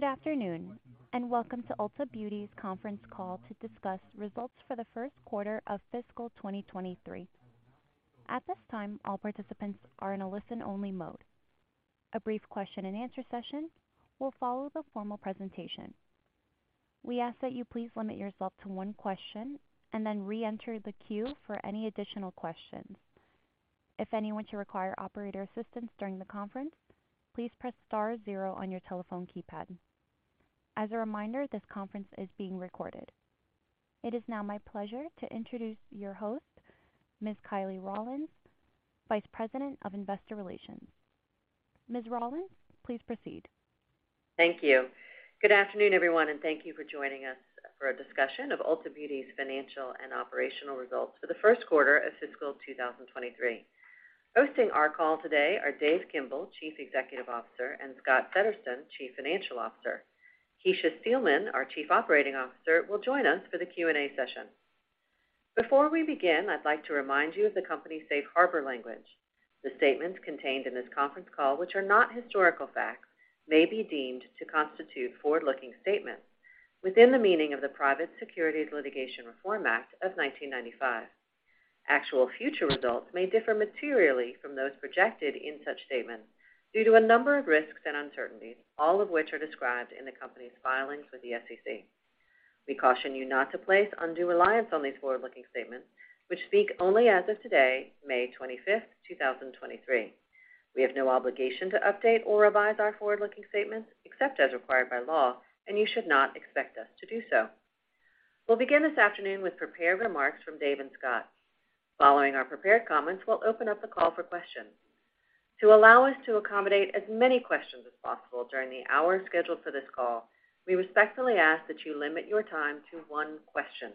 Good afternoon, welcome to Ulta Beauty's conference call to discuss results for the first quarter of fiscal 2023. At this time, all participants are in a listen-only mode. A brief question-and-answer session will follow the formal presentation. We ask that you please limit yourself to one question and then reenter the queue for any additional questions. If anyone should require operator assistance during the conference, please press star 0 on your telephone keypad. As a reminder, this conference is being recorded. It is now my pleasure to introduce your host, Ms. Kiley Rawlins, Vice President of Investor Relations. Ms. Rawlins, please proceed. Thank you. Good afternoon, everyone, and thank you for joining us for a discussion of Ulta Beauty's financial and operational results for the first quarter of fiscal 2023. Hosting our call today are Dave Kimbell, Chief Executive Officer, and Scott Settersten, Chief Financial Officer. Kecia Steelman, our Chief Operating Officer, will join us for the Q&A session. Before we begin, I'd like to remind you of the company's safe harbor language. The statements contained in this conference call, which are not historical facts, may be deemed to constitute forward-looking statements within the meaning of the Private Securities Litigation Reform Act of 1995. Actual future results may differ materially from those projected in such statements due to a number of risks and uncertainties, all of which are described in the company's filings with the SEC. We caution you not to place undue reliance on these forward-looking statements, which speak only as of today, May 25th, 2023. We have no obligation to update or revise our forward-looking statements, except as required by law, and you should not expect us to do so. We'll begin this afternoon with prepared remarks from Dave and Scott. Following our prepared comments, we'll open up the call for questions. To allow us to accommodate as many questions as possible during the hour scheduled for this call, we respectfully ask that you limit your time to one question.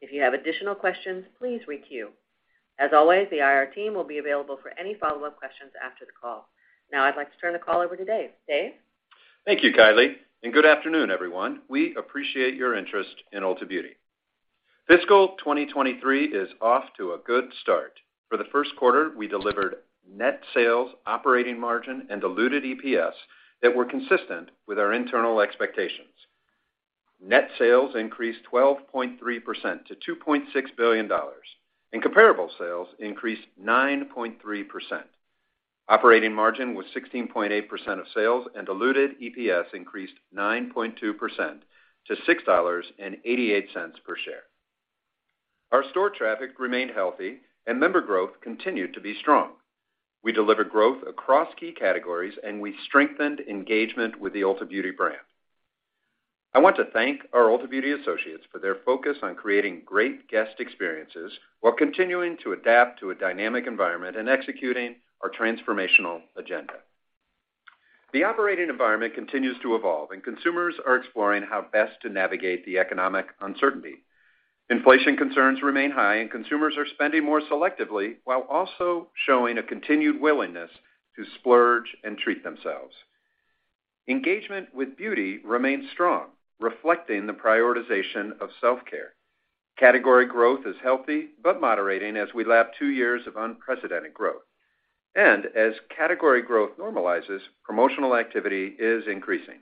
If you have additional questions, please re-queue. As always, the IR team will be available for any follow-up questions after the call. I'd like to turn the call over to Dave. Dave? Thank you, Kiley, and good afternoon, everyone. We appreciate your interest in Ulta Beauty. Fiscal 2023 is off to a good start. For the first quarter, we delivered net sales, operating margin, and diluted EPS that were consistent with our internal expectations. Net sales increased 12.3% to $2.6 billion, and comparable sales increased 9.3%. Operating margin was 16.8% of sales, and diluted EPS increased 9.2% to $6.88 per share. Our store traffic remained healthy, and member growth continued to be strong. We delivered growth across key categories, and we strengthened engagement with the Ulta Beauty brand. I want to thank our Ulta Beauty associates for their focus on creating great guest experiences while continuing to adapt to a dynamic environment and executing our transformational agenda. The operating environment continues to evolve, and consumers are exploring how best to navigate the economic uncertainty. Inflation concerns remain high, and consumers are spending more selectively, while also showing a continued willingness to splurge and treat themselves. Engagement with beauty remains strong, reflecting the prioritization of self-care. Category growth is healthy, but moderating as we lap two years of unprecedented growth. As category growth normalizes, promotional activity is increasing.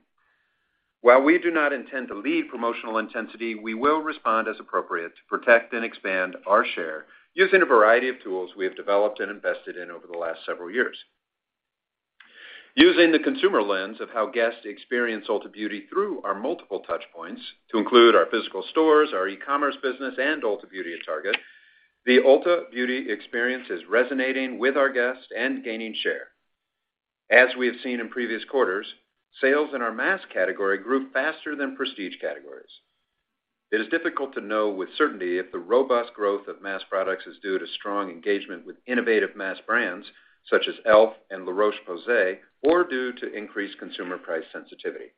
While we do not intend to lead promotional intensity, we will respond as appropriate to protect and expand our share using a variety of tools we have developed and invested in over the last several years. Using the consumer lens of how guests experience Ulta Beauty through our multiple touch points, to include our physical stores, our e-commerce business, and Ulta Beauty at Target, the Ulta Beauty experience is resonating with our guests and gaining share. As we have seen in previous quarters, sales in our mass category grew faster than prestige categories. It is difficult to know with certainty if the robust growth of mass products is due to strong engagement with innovative mass brands, such as e.l.f. and La Roche-Posay, or due to increased consumer price sensitivity.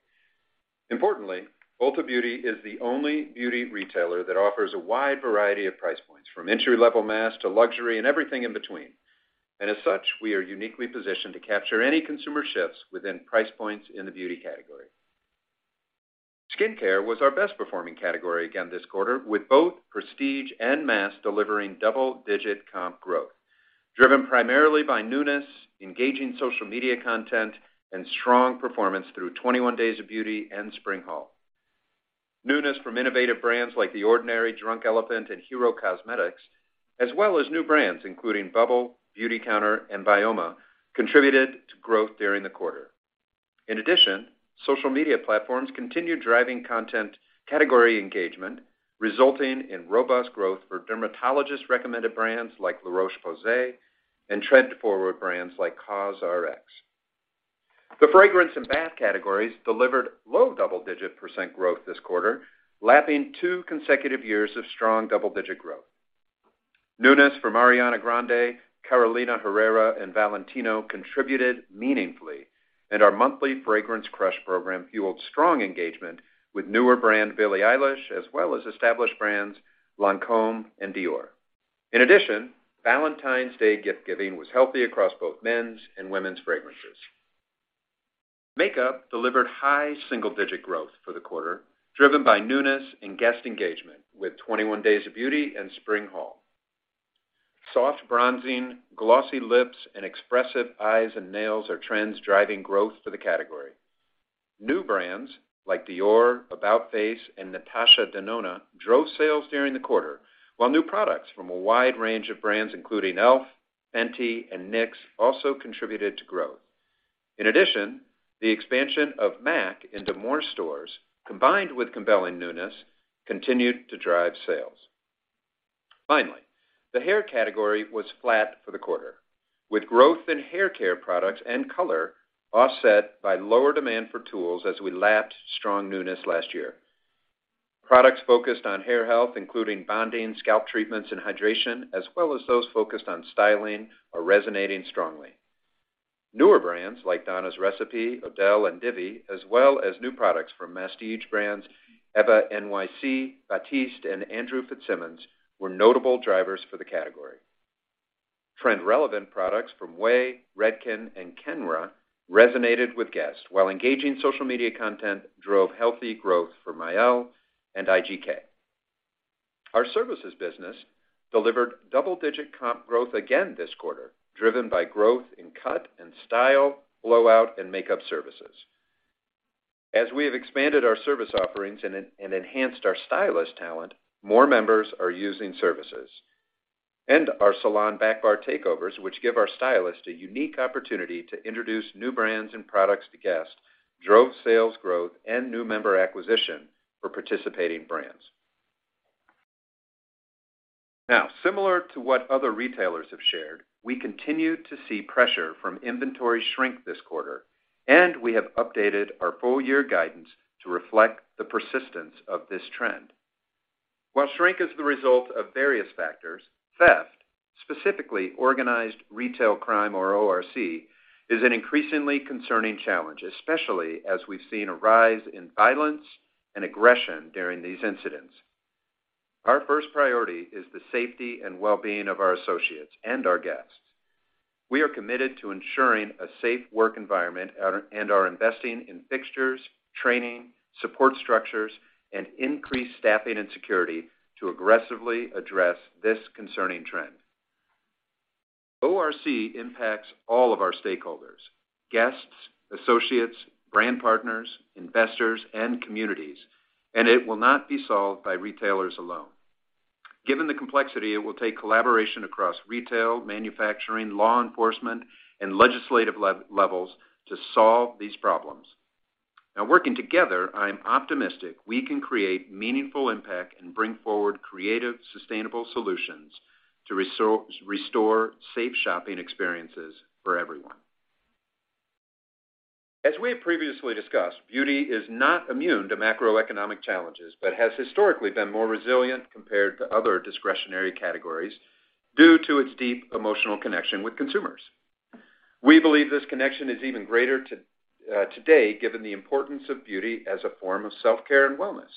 Importantly, Ulta Beauty is the only beauty retailer that offers a wide variety of price points, from entry-level mass to luxury and everything in between. As such, we are uniquely positioned to capture any consumer shifts within price points in the beauty category. Skincare was our best performing category again this quarter, with both prestige and mass delivering double-digit comp growth, driven primarily by newness, engaging social media content, and strong performance through 21 Days of Beauty and Spring Haul. Newness from innovative brands like The Ordinary, Drunk Elephant, and Hero Cosmetics, as well as new brands, including Bubble, Beautycounter, and BYOMA, contributed to growth during the quarter. In addition, social media platforms continued driving content category engagement, resulting in robust growth for dermatologist-recommended brands like La Roche-Posay and trend-forward brands like COSRX. The fragrance and bath categories delivered low double-digit % growth this quarter, lapping two consecutive years of strong double-digit growth. Newness from Ariana Grande, Carolina Herrera, and Valentino contributed meaningfully, and our monthly Fragrance Crush program fueled strong engagement with newer brand, Billie Eilish, as well as established brands Lancôme and Dior. In addition, Valentine's Day gift giving was healthy across both men's and women's fragrances. Makeup delivered high single-digit growth for the quarter, driven by newness and guest engagement, with 21 Days of Beauty and Spring Haul. Soft bronzing, glossy lips, and expressive eyes and nails are trends driving growth for the category. New brands like Dior, about-face, and Natasha Denona drove sales during the quarter, while new products from a wide range of brands, including e.l.f., Fenty, and NYX, also contributed to growth. In addition, the expansion of MAC into more stores, combined with compelling newness, continued to drive sales. Finally, the hair category was flat for the quarter, with growth in hair care products and color offset by lower demand for tools as we lapsed strong newness last year. Products focused on hair health, including bonding, scalp treatments, and hydration, as well as those focused on styling, are resonating strongly. Newer brands like Donna's Recipe, Odele, and Divi, as well as new products from prestige brands, Eva NYC, Batiste, and Andrew Fitzsimons, were notable drivers for the category. Trend-relevant products from OUAI, Redken, and Kenra resonated with guests, while engaging social media content drove healthy growth for Mielle and IGK. Our services business delivered double-digit comp growth again this quarter, driven by growth in cut and style, blowout, and makeup services. As we have expanded our service offerings and enhanced our stylist talent, more members are using services. Our salon backbar takeovers, which give our stylists a unique opportunity to introduce new brands and products to guests, drove sales growth and new member acquisition for participating brands. Similar to what other retailers have shared, we continue to see pressure from inventory shrink this quarter, and we have updated our full-year guidance to reflect the persistence of this trend. While shrink is the result of various factors, theft, specifically organized retail crime, or ORC, is an increasingly concerning challenge, especially as we've seen a rise in violence and aggression during these incidents. Our first priority is the safety and well-being of our associates and our guests. We are committed to ensuring a safe work environment and are investing in fixtures, training, support structures, and increased staffing and security to aggressively address this concerning trend. ORC impacts all of our stakeholders, guests, associates, brand partners, investors, and communities, and it will not be solved by retailers alone. Given the complexity, it will take collaboration across retail, manufacturing, law enforcement, and legislative levels to solve these problems. Now, working together, I'm optimistic we can create meaningful impact and bring forward creative, sustainable solutions to restore safe shopping experiences for everyone. As we have previously discussed, beauty is not immune to macroeconomic challenges, but has historically been more resilient compared to other discretionary categories due to its deep emotional connection with consumers. We believe this connection is even greater to today, given the importance of beauty as a form of self-care and wellness.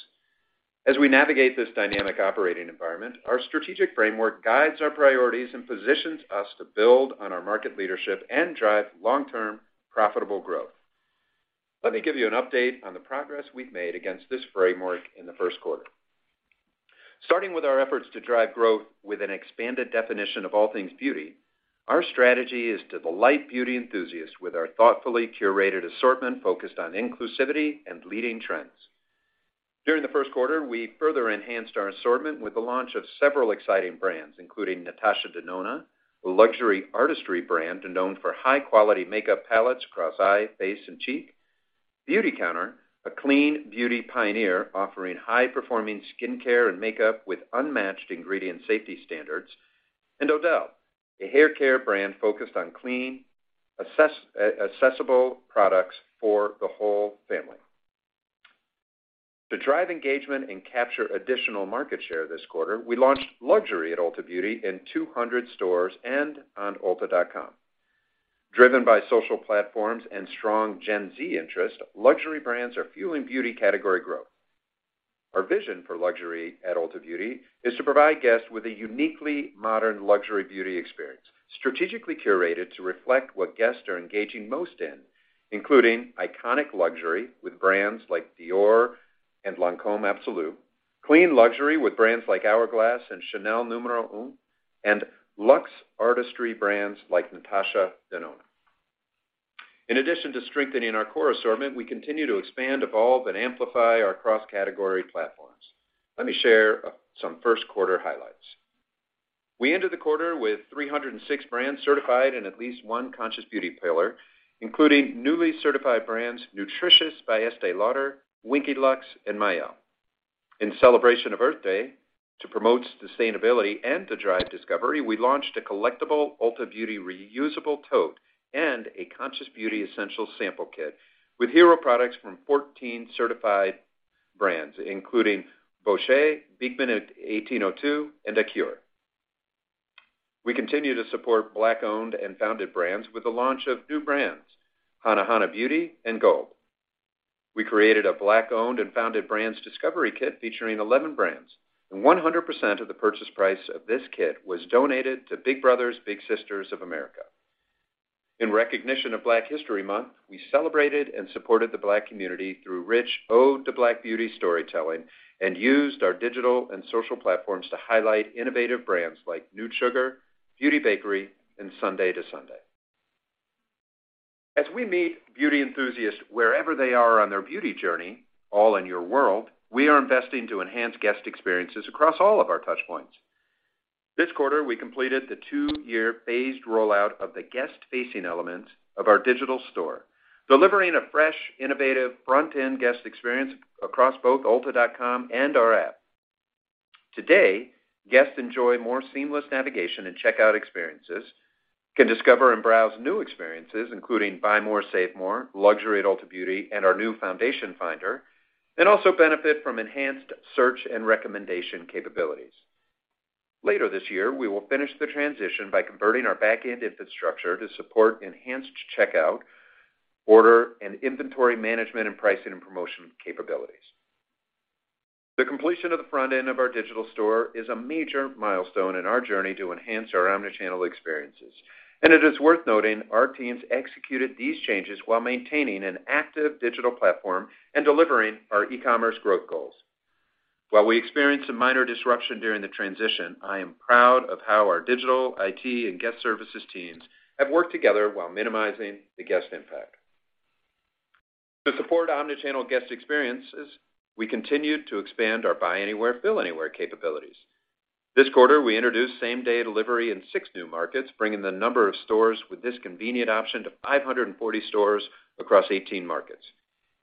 As we navigate this dynamic operating environment, our strategic framework guides our priorities and positions us to build on our market leadership and drive long-term profitable growth. Let me give you an update on the progress we've made against this framework in the first quarter. Starting with our efforts to drive growth with an expanded definition of all things beauty, our strategy is to delight beauty enthusiasts with our thoughtfully curated assortment, focused on inclusivity and leading trends. During the first quarter, we further enhanced our assortment with the launch of several exciting brands, including Natasha Denona, a luxury artistry brand known for high-quality makeup palettes across eye, face, and cheek, Beautycounter, a clean beauty pioneer offering high-performing skincare and makeup with unmatched ingredient safety standards, and Odele, a hair care brand focused on clean, accessible products for the whole family. To drive engagement and capture additional market share this quarter, we launched luxury at Ulta Beauty in 200 stores and on ulta.com. Driven by social platforms and strong Gen Z interest, luxury brands are fueling beauty category growth. Our vision for luxury at Ulta Beauty is to provide guests with a uniquely modern luxury beauty experience, strategically curated to reflect what guests are engaging most in, including iconic luxury with brands like Dior and Lancôme Absolue, clean luxury with brands like Hourglass and Chanel Numéro Un, and luxe artistry brands like Natasha Denona. In addition to strengthening our core assortment, we continue to expand, evolve, and amplify our cross-category platforms. Let me share some first quarter highlights. We ended the quarter with 306 brands certified in at least one Conscious Beauty pillar, including newly certified brands, Nutritious by Estée Lauder, Winky Lux, and Mielle. In celebration of Earth Day, to promote sustainability and to drive discovery, we launched a collectible Ulta Beauty reusable tote and a Conscious Beauty essential sample kit with hero products from 14 certified brands, including Boscia, Beekman 1802, and Acure. We continue to support Black-owned and founded brands with the launch of new brands, hanahana beauty and GOLDE. We created a Black-owned and founded brands discovery kit featuring 11 brands. 100% of the purchase price of this kit was donated to Big Brothers Big Sisters of America. In recognition of Black History Month, we celebrated and supported the Black community through rich ode to Black beauty storytelling, and used our digital and social platforms to highlight innovative brands like Nude Sugar, Beauty Bakerie, and Sunday II Sunday. As we meet beauty enthusiasts wherever they are on their beauty journey, all in your world, we are investing to enhance guest experiences across all of our touch points. This quarter, we completed the 2-year phased rollout of the guest-facing elements of our digital store, delivering a fresh, innovative, front-end guest experience across both ulta.com and our app. Today, guests enjoy more seamless navigation and checkout experiences, can discover and browse new experiences, including Buy More, Save More, Luxury at Ulta Beauty, and our new Foundation Finder, also benefit from enhanced search and recommendation capabilities. Later this year, we will finish the transition by converting our back-end infrastructure to support enhanced checkout, order and inventory management, and pricing and promotion capabilities. The completion of the front end of our digital store is a major milestone in our journey to enhance our omnichannel experiences, it is worth noting our teams executed these changes while maintaining an active digital platform and delivering our e-commerce growth goals. While we experienced a minor disruption during the transition, I am proud of how our digital, IT, and guest services teams have worked together while minimizing the guest impact. To support omnichannel guest experiences, we continued to expand our buy anywhere, fill anywhere capabilities. This quarter, we introduced same-day delivery in six new markets, bringing the number of stores with this convenient option to 540 stores across 18 markets.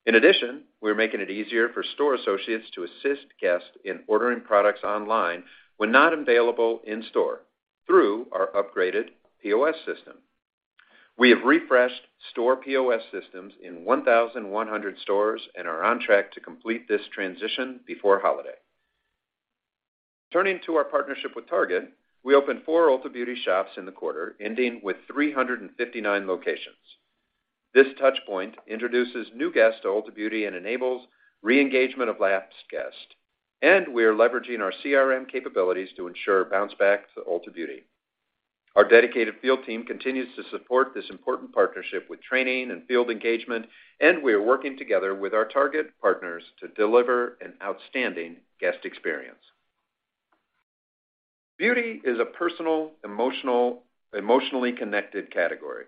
In addition, we're making it easier for store associates to assist guests in ordering products online when not available in store through our upgraded POS system. We have refreshed store POS systems in 1,100 stores and are on track to complete this transition before holiday. Turning to our partnership with Target, we opened four Ulta Beauty shops in the quarter, ending with 359 locations. This touch point introduces new guests to Ulta Beauty and enables re-engagement of lapsed guests, and we are leveraging our CRM capabilities to ensure bounce back to Ulta Beauty. Our dedicated field team continues to support this important partnership with training and field engagement. We are working together with our Target partners to deliver an outstanding guest experience. Beauty is a personal, emotionally connected category.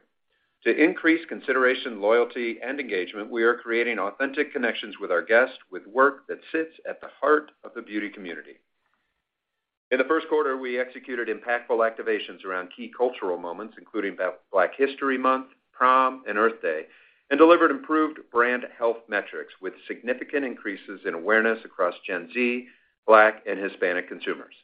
To increase consideration, loyalty, and engagement, we are creating authentic connections with our guests with work that sits at the heart of the beauty community. In the first quarter, we executed impactful activations around key cultural moments, including Black History Month, Prom, and Earth Day. We delivered improved brand health metrics with significant increases in awareness across Gen Z, Black, and Hispanic consumers.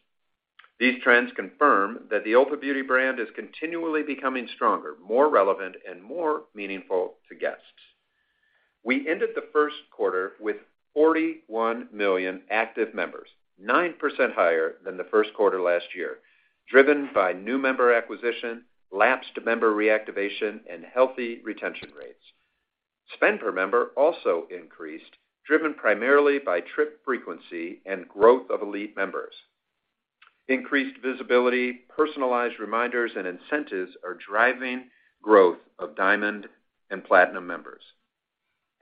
These trends confirm that the Ulta Beauty brand is continually becoming stronger, more relevant, and more meaningful to guests. We ended the first quarter with 41 million active members, 9% higher than the first quarter last year, driven by new member acquisition, lapsed member reactivation, and healthy retention rates. Spend per member also increased, driven primarily by trip frequency and growth of elite members. Increased visibility, personalized reminders, and incentives are driving growth of Diamond and Platinum members.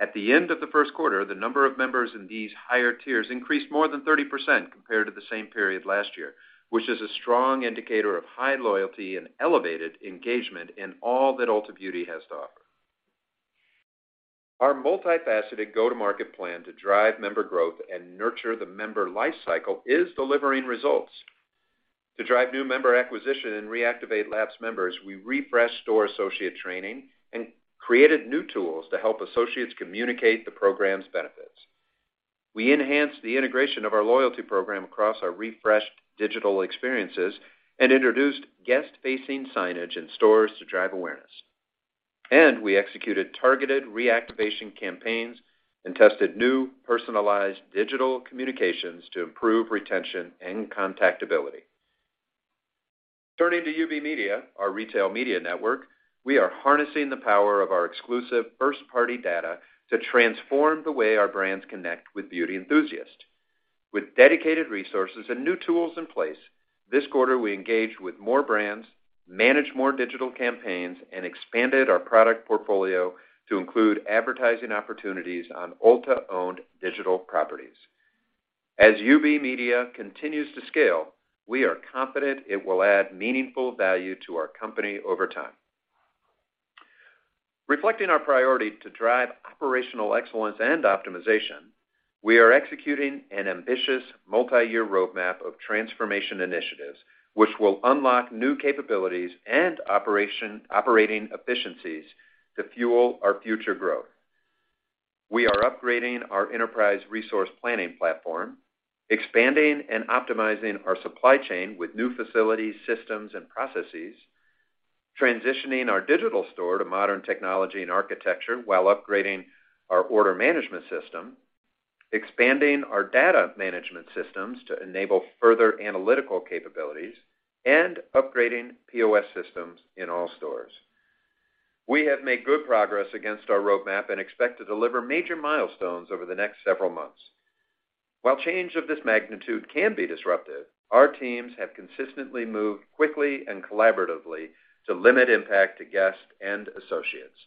At the end of the first quarter, the number of members in these higher tiers increased more than 30% compared to the same period last year, which is a strong indicator of high loyalty and elevated engagement in all that Ulta Beauty has to offer. Our multifaceted go-to-market plan to drive member growth and nurture the member life cycle is delivering results. To drive new member acquisition and reactivate lapsed members, we refreshed store associate training and created new tools to help associates communicate the program's benefits. We enhanced the integration of our loyalty program across our refreshed digital experiences and introduced guest-facing signage in stores to drive awareness. We executed targeted reactivation campaigns and tested new personalized digital communications to improve retention and contactability. Turning to UB Media, our retail media network, we are harnessing the power of our exclusive first-party data to transform the way our brands connect with beauty enthusiasts. With dedicated resources and new tools in place, this quarter, we engaged with more brands, managed more digital campaigns, and expanded our product portfolio to include advertising opportunities on Ulta-owned digital properties. As UB Media continues to scale, we are confident it will add meaningful value to our company over time. Reflecting our priority to drive operational excellence and optimization, we are executing an ambitious multiyear roadmap of transformation initiatives, which will unlock new capabilities and operating efficiencies to fuel our future growth. We are upgrading our enterprise resource planning platform, expanding and optimizing our supply chain with new facilities, systems, and processes, transitioning our digital store to modern technology and architecture while upgrading our order management system, expanding our data management systems to enable further analytical capabilities, and upgrading POS systems in all stores. We have made good progress against our roadmap and expect to deliver major milestones over the next several months... While change of this magnitude can be disruptive, our teams have consistently moved quickly and collaboratively to limit impact to guests and associates.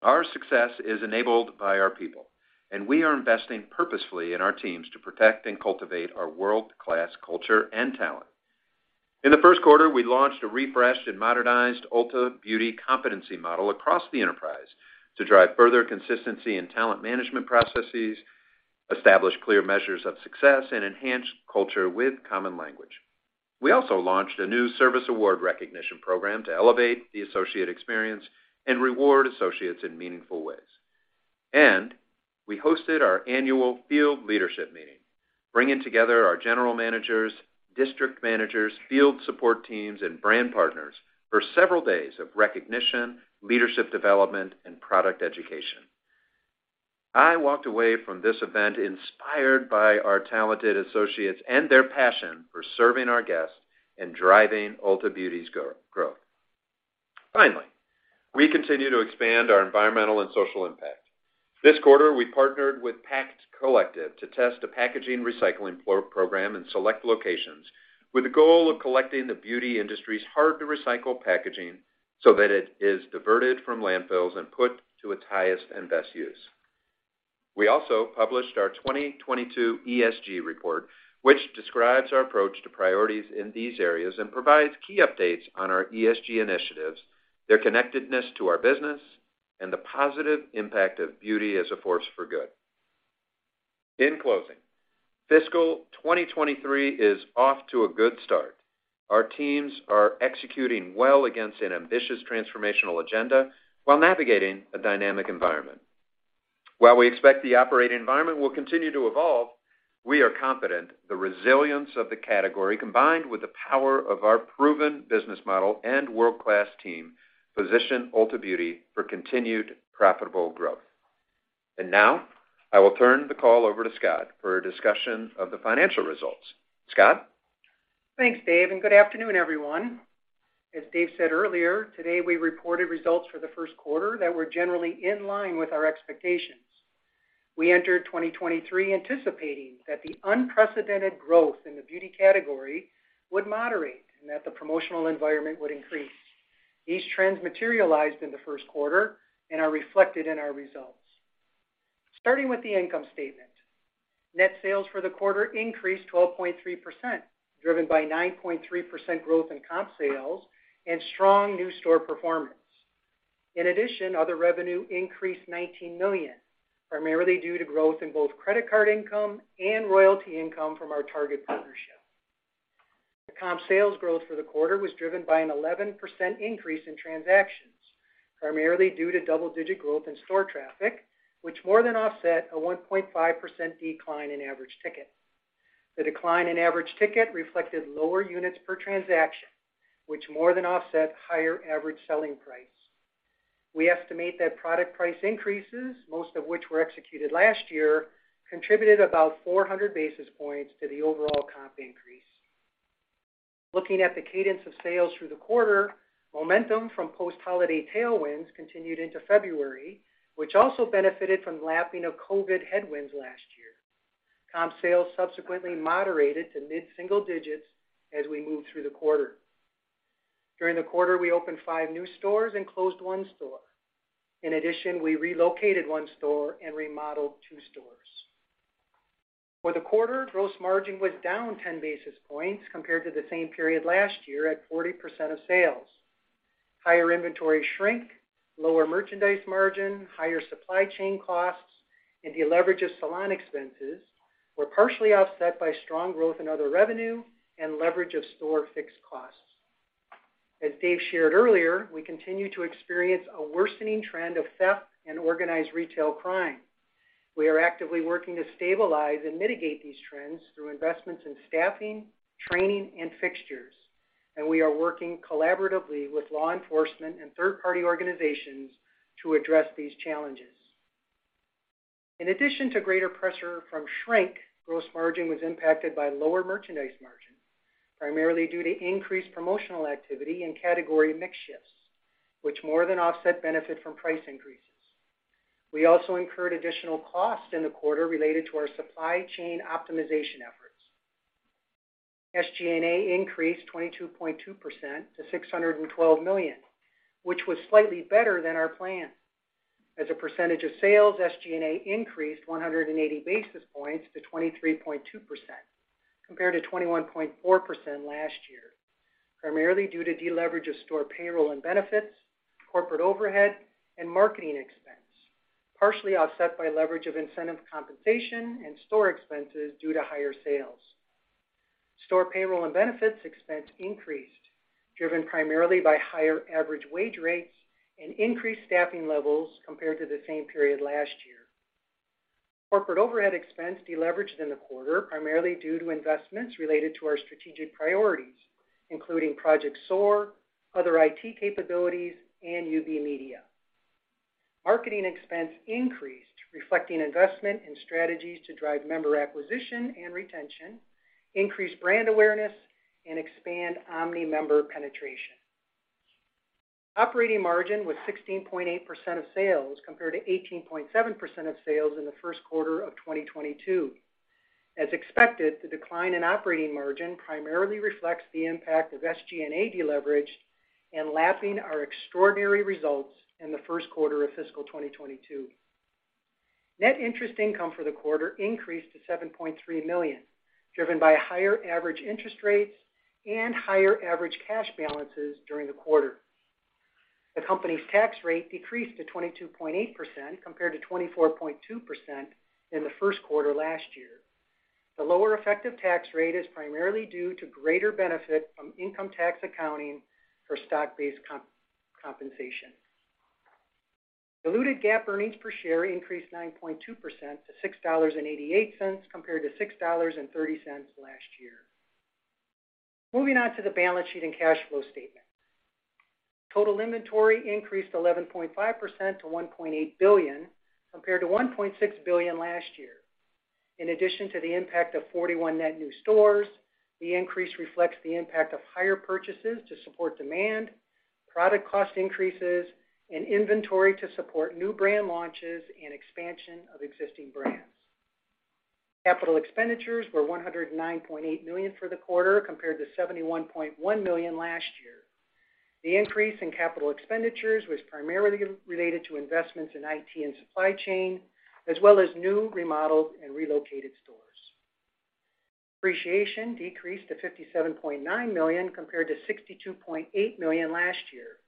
Our success is enabled by our people, and we are investing purposefully in our teams to protect and cultivate our world-class culture and talent. In the first quarter, we launched a refreshed and modernized Ulta Beauty competency model across the enterprise to drive further consistency in talent management processes, establish clear measures of success, and enhance culture with common language. We also launched a new service award recognition program to elevate the associate experience and reward associates in meaningful ways. We hosted our annual field leadership meeting, bringing together our general managers, district managers, field support teams, and brand partners for several days of recognition, leadership development, and product education. I walked away from this event inspired by our talented associates and their passion for serving our guests and driving Ulta Beauty's growth. Finally, we continue to expand our environmental and social impact. This quarter, we partnered with Pact Collective to test a packaging recycling pro-program in select locations, with the goal of collecting the beauty industry's hard-to-recycle packaging so that it is diverted from landfills and put to its highest and best use. We also published our 2022 ESG report, which describes our approach to priorities in these areas and provides key updates on our ESG initiatives, their connectedness to our business, and the positive impact of beauty as a force for good. In closing, fiscal 2023 is off to a good start. Our teams are executing well against an ambitious transformational agenda while navigating a dynamic environment. While we expect the operating environment will continue to evolve, we are confident the resilience of the category, combined with the power of our proven business model and world-class team, position Ulta Beauty for continued profitable growth. Now, I will turn the call over to Scott for a discussion of the financial results. Scott? Thanks, Dave. Good afternoon, everyone. As Dave said earlier, today, we reported results for the first quarter that were generally in line with our expectations. We entered 2023 anticipating that the unprecedented growth in the beauty category would moderate and that the promotional environment would increase. These trends materialized in the first quarter and are reflected in our results. Starting with the income statement, net sales for the quarter increased 12.3%, driven by 9.3% growth in comp sales and strong new store performance. Other revenue increased $19 million, primarily due to growth in both credit card income and royalty income from our Target partnership. The comp sales growth for the quarter was driven by an 11% increase in transactions, primarily due to double-digit growth in store traffic, which more than offset a 1.5% decline in average ticket. The decline in average ticket reflected lower units per transaction, which more than offset higher average selling price. We estimate that product price increases, most of which were executed last year, contributed about 400 basis points to the overall comp increase. Looking at the cadence of sales through the quarter, momentum from post-holiday tailwinds continued into February, which also benefited from the lapping of COVID headwinds last year. Comp sales subsequently moderated to mid-single digits as we moved through the quarter. During the quarter, we opened five new stores and closed one store. In addition, we relocated one store and remodeled two stores. For the quarter, gross margin was down 10 basis points compared to the same period last year at 40% of sales. Higher inventory shrink, lower merchandise margin, higher supply chain costs, and deleverage of salon expenses were partially offset by strong growth in other revenue and leverage of store fixed costs. As Dave shared earlier, we continue to experience a worsening trend of theft and organized retail crime. We are actively working to stabilize and mitigate these trends through investments in staffing, training, and fixtures. We are working collaboratively with law enforcement and third-party organizations to address these challenges. In addition to greater pressure from shrink, gross margin was impacted by lower merchandise margin, primarily due to increased promotional activity and category mix shifts, which more than offset benefit from price increases. We also incurred additional costs in the quarter related to our supply chain optimization efforts. SG&A increased 22.2% to $612 million, which was slightly better than our plan. As a percentage of sales, SG&A increased 180 basis points to 23.2%, compared to 21.4% last year, primarily due to deleverage of store payroll and benefits, corporate overhead, and marketing expense, partially offset by leverage of incentive compensation and store expenses due to higher sales. Store payroll and benefits expense increased, driven primarily by higher average wage rates and increased staffing levels compared to the same period last year. Corporate overhead expense deleveraged in the quarter, primarily due to investments related to our strategic priorities, including Project SOAR, other IT capabilities, and UB Media. Marketing expense increased, reflecting investment in strategies to drive member acquisition and retention, increase brand awareness, and expand omni-member penetration.... Operating margin was 16.8% of sales compared to 18.7% of sales in the first quarter of 2022. As expected, the decline in operating margin primarily reflects the impact of SG&A deleverage and lapping our extraordinary results in the first quarter of fiscal 2022. Net interest income for the quarter increased to $7.3 million, driven by higher average interest rates and higher average cash balances during the quarter. The company's tax rate decreased to 22.8%, compared to 24.2% in the first quarter last year. The lower effective tax rate is primarily due to greater benefit from income tax accounting for stock-based compensation. Diluted GAAP earnings per share increased 9.2% to $6.88, compared to $6.30 last year. Moving on to the balance sheet and cash flow statement. Total inventory increased 11.5% to $1.8 billion, compared to $1.6 billion last year. In addition to the impact of 41 net new stores, the increase reflects the impact of higher purchases to support demand, product cost increases, and inventory to support new brand launches and expansion of existing brands. Capital expenditures were $109.8 million for the quarter, compared to $71.1 million last year. The increase in capital expenditures was primarily related to investments in IT and supply chain, as well as new, remodeled, and relocated stores. Depreciation decreased to $57.9 million, compared to $62.8 million last year,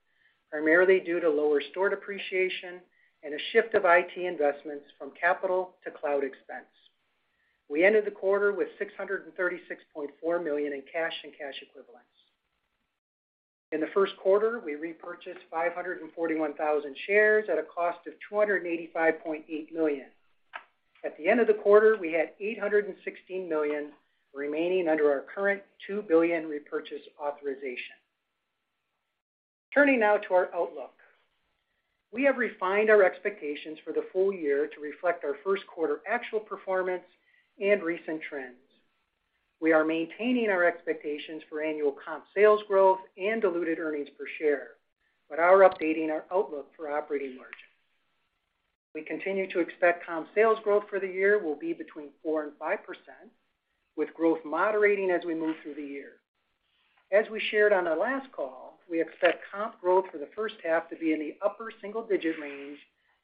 primarily due to lower store depreciation and a shift of IT investments from capital to cloud expense. We ended the quarter with $636.4 million in cash and cash equivalents. In the first quarter, we repurchased 541,000 shares at a cost of $285.8 million. At the end of the quarter, we had $816 million remaining under our current $2 billion repurchase authorization. Turning now to our outlook. We have refined our expectations for the full year to reflect our first quarter actual performance and recent trends. We are maintaining our expectations for annual comp sales growth and diluted earnings per share, but are updating our outlook for operating margin. We continue to expect comp sales growth for the year will be between 4% and 5%, with growth moderating as we move through the year. As we shared on our last call, we expect comp growth for the first half to be in the upper single-digit range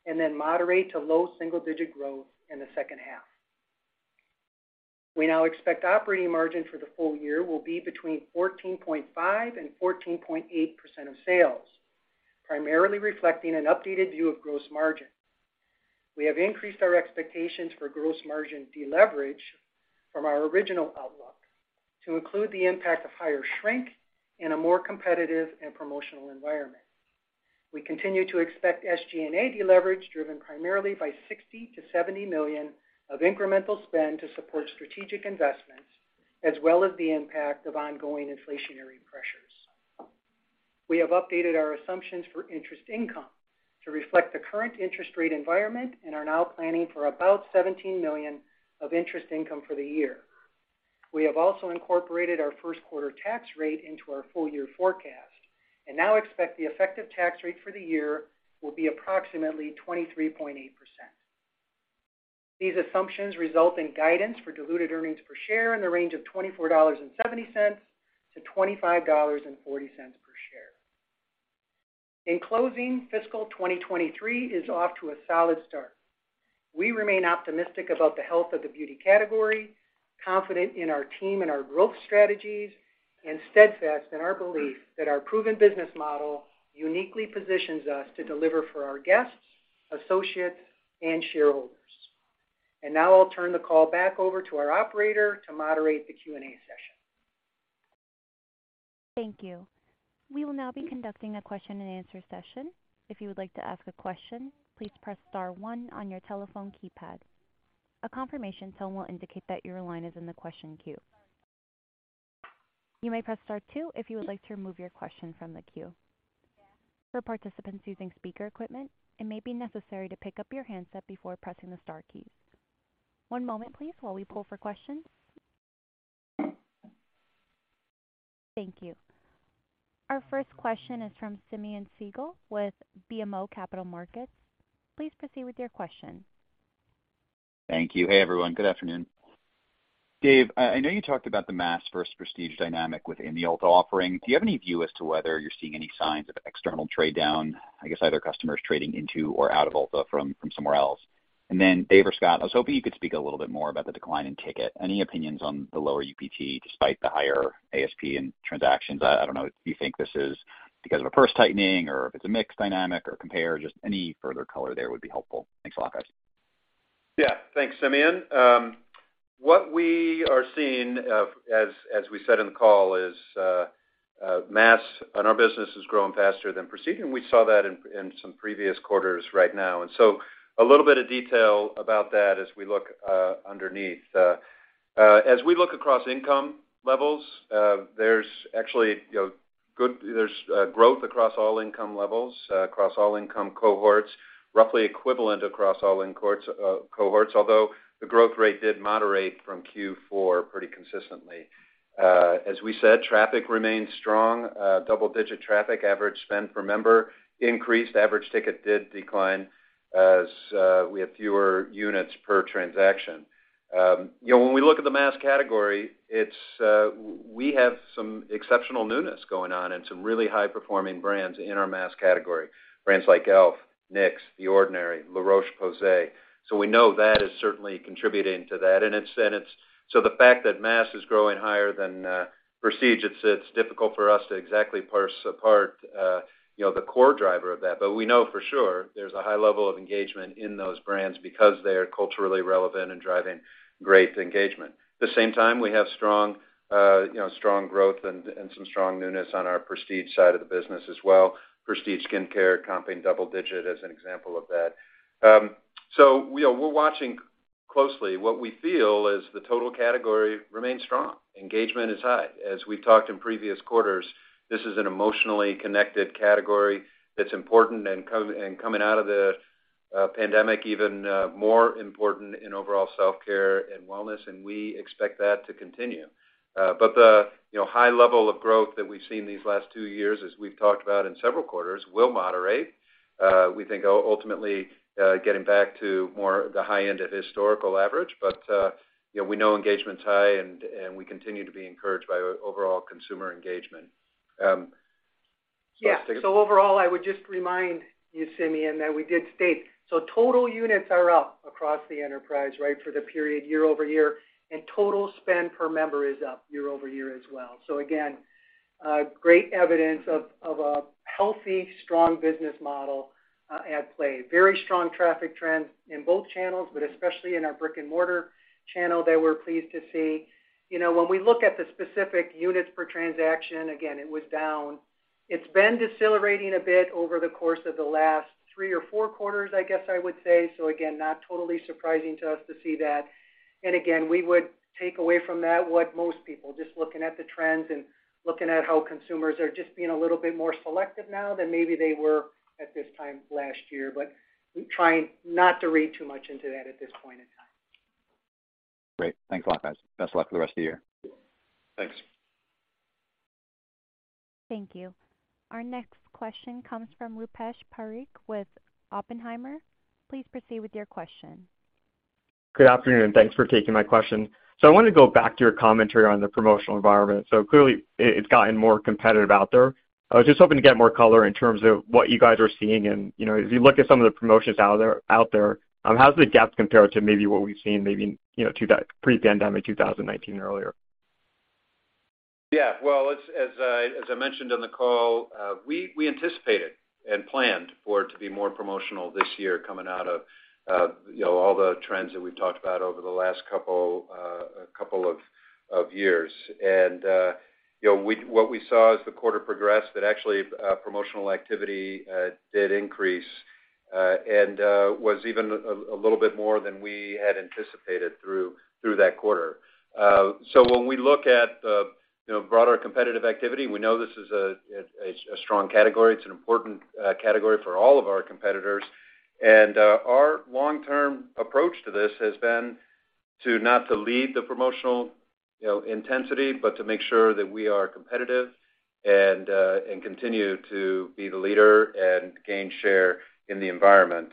and then moderate to low single-digit growth in the second half. We now expect operating margin for the full year will be between 14.5% and 14.8% of sales, primarily reflecting an updated view of gross margin. We have increased our expectations for gross margin deleverage from our original outlook to include the impact of higher shrink and a more competitive and promotional environment. We continue to expect SG&A deleverage, driven primarily by $60 million-$70 million of incremental spend to support strategic investments, as well as the impact of ongoing inflationary pressures. We have updated our assumptions for interest income to reflect the current interest rate environment and are now planning for about $17 million of interest income for the year. We have also incorporated our first quarter tax rate into our full-year forecast and now expect the effective tax rate for the year will be approximately 23.8%. These assumptions result in guidance for diluted earnings per share in the range of $24.70-$25.40 per share. In closing, fiscal 2023 is off to a solid start. We remain optimistic about the health of the beauty category, confident in our team and our growth strategies, and steadfast in our belief that our proven business model uniquely positions us to deliver for our guests, associates, and shareholders. Now I'll turn the call back over to our operator to moderate the Q&A session. Thank you. We will now be conducting a question-and-answer session. If you would like to ask a question, please press star one on your telephone keypad. A confirmation tone will indicate that your line is in the question queue. You may press star two if you would like to remove your question from the queue. For participants using speaker equipment, it may be necessary to pick up your handset before pressing the star keys. One moment, please, while we pull for questions. Thank you. Our first question is from Simeon Siegel with BMO Capital Markets. Please proceed with your question. Thank you. Hey, everyone. Good afternoon. Dave, I know you talked about the mass versus prestige dynamic within the Ulta offering. Do you have any view as to whether you're seeing any signs of external trade down, I guess, either customers trading into or out of Ulta from somewhere else? Dave or Scott, I was hoping you could speak a little bit more about the decline in ticket. Any opinions on the lower UPT despite the higher ASP and transactions? I don't know if you think this is because of a purse tightening, or if it's a mix dynamic, or compare, just any further color there would be helpful. Thanks a lot, guys. Yeah. Thanks, Simeon. What we are seeing, as we said in the call, is mass on our business is growing faster than prestige, and we saw that in some previous quarters right now. A little bit of detail about that as we look underneath. As we look across income levels, there's actually, you know. Good. There's growth across all income levels, across all income cohorts, roughly equivalent across all cohorts, although the growth rate did moderate from Q4 pretty consistently. As we said, traffic remains strong, double-digit traffic, average spend per member increased. Average ticket did decline as we have fewer units per transaction. You know, when we look at the mass category, it's we have some exceptional newness going on and some really high-performing brands in our mass category. Brands like e.l.f., NYX, The Ordinary, La Roche-Posay. We know that is certainly contributing to that, and it's so the fact that mass is growing higher than prestige, it's difficult for us to exactly parse apart, you know, the core driver of that. We know for sure there's a high level of engagement in those brands because they are culturally relevant and driving great engagement. At the same time, we have strong, you know, strong growth and some strong newness on our prestige side of the business as well. Prestige skincare comping double-digit as an example of that. We're watching closely. What we feel is the total category remains strong. Engagement is high. As we've talked in previous quarters, this is an emotionally connected category that's important, and coming out of the pandemic, even more important in overall self-care and wellness, and we expect that to continue. The, you know, high level of growth that we've seen these last two years, as we've talked about in several quarters, will moderate, we think ultimately, getting back to more the high end of historical average. You know, we know engagement's high, and we continue to be encouraged by our overall consumer engagement. Overall, I would just remind you, Simeon, that we did state total units are up across the enterprise, right, for the period year-over-year, and total spend per member is up year-over-year as well. Again, great evidence of a healthy, strong business model at play. Very strong traffic trends in both channels, but especially in our brick-and-mortar channel that we're pleased to see. You know, when we look at the specific units per transaction, again, it was down. It's been decelerating a bit over the course of the last three or four quarters, I guess I would say. Again, not totally surprising to us to see that. Again, we would take away from that what most people, just looking at the trends and looking at how consumers are just being a little bit more selective now than maybe they were at this time last year. We're trying not to read too much into that at this point in time. Great. Thanks a lot, guys. Best of luck for the rest of the year. Thanks. Thank you. Our next question comes from Rupesh Parikh with Oppenheimer. Please proceed with your question. Good afternoon, and thanks for taking my question. I wanted to go back to your commentary on the promotional environment. Clearly, it's gotten more competitive out there. I was just hoping to get more color in terms of what you guys are seeing. You know, as you look at some of the promotions out there, how does the gap compare to maybe what we've seen maybe, you know, pre-pandemic 2019 earlier? Yeah. Well, as I mentioned on the call, we anticipated and planned for it to be more promotional this year coming out of, you know, all the trends that we've talked about over the last couple of years. What we saw as the quarter progressed, that actually, promotional activity, did increase, and, was even a little bit more than we had anticipated through that quarter. When we look at the, you know, broader competitive activity, we know it's a strong category. It's an important, category for all of our competitors. Our long-term approach to this has been to not to lead the promotional, you know, intensity, but to make sure that we are competitive and continue to be the leader and gain share in the environment.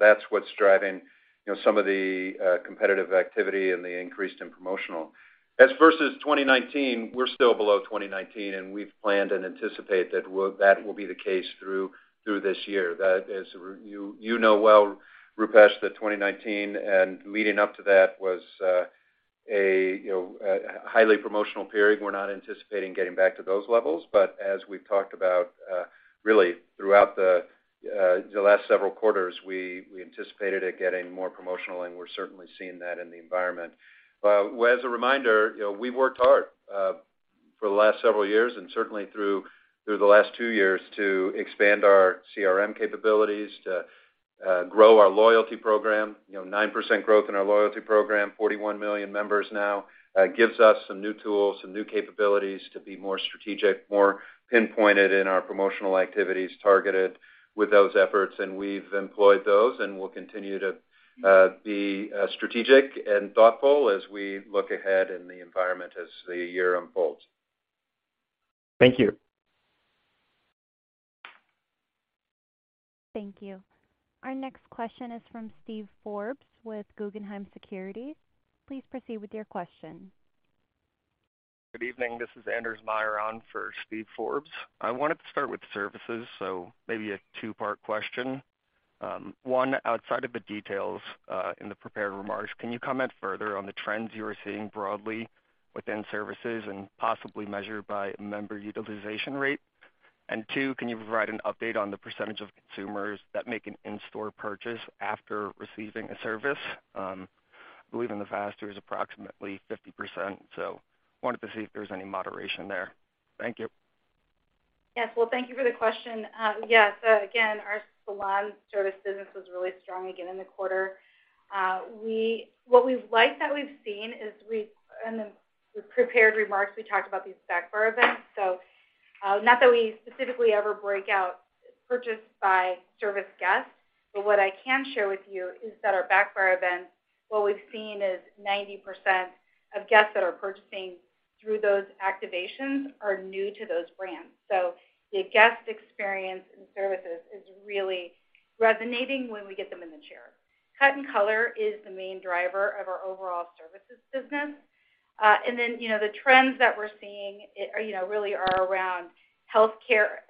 That's what's driving, you know, some of the competitive activity and the increase in promotional. As versus 2019, we're still below 2019, and we've planned and anticipate that will be the case through this year. As you know well, Rupesh, that 2019 and leading up to that was a highly promotional period. We're not anticipating getting back to those levels, but as we've talked about, really throughout the last several quarters, we anticipated it getting more promotional, and we're certainly seeing that in the environment. Well, as a reminder, you know, we worked hard for the last several years and certainly through the last two years to expand our CRM capabilities, to grow our loyalty program. You know, 9% growth in our loyalty program, 41 million members now, gives us some new tools, some new capabilities to be more strategic, more pinpointed in our promotional activities, targeted with those efforts, and we've employed those, and we'll continue to be strategic and thoughtful as we look ahead in the environment as the year unfolds. Thank you. Thank you. Our next question is from Steven Forbes with Guggenheim Securities. Please proceed with your question. Good evening. This is Anders Myhre for Steven Forbes. I wanted to start with services. Maybe a two-part question. One, outside of the details in the prepared remarks, can you comment further on the trends you are seeing broadly within services and possibly measured by member utilization rate? Two, can you provide an update on the percentage of consumers that make an in-store purchase after receiving a service? I believe in the past, it was approximately 50%. Wanted to see if there's any moderation there. Thank you.... Yes. Well, thank you for the question. Yes, again, our salon service business was really strong again in the quarter. What we like that we've seen is we in the prepared remarks, we talked about these backbar events. Not that we specifically ever break out purchase by service guests, but what I can share with you is that our backbar events, what we've seen is 90% of guests that are purchasing through those activations are new to those brands. The guest experience and services is really resonating when we get them in the chair. Cut and color is the main driver of our overall services business. You know, the trends that we're seeing, are, you know, really are around health care,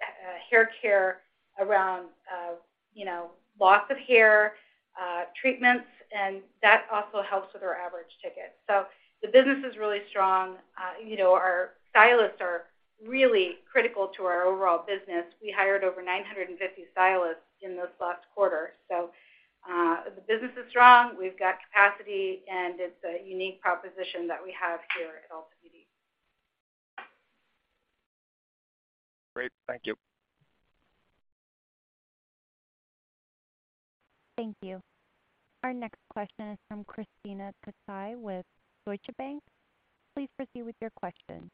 hair care, around, you know, loss of hair, treatments, and that also helps with our average ticket. The business is really strong. You know, our stylists are really critical to our overall business. We hired over 950 stylists in this last quarter. The business is strong, we've got capacity, and it's a unique proposition that we have here at Ulta Beauty. Great. Thank you. Thank you. Our next question is from Krisztina Katai with Deutsche Bank. Please proceed with your question.